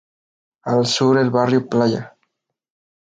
Al Sur el Barrio Playa.